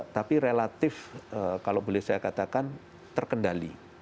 tapi relatif kalau boleh saya katakan terkendali